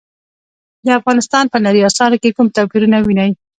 د افغانستان په هنري اثارو کې کوم توپیرونه وینئ؟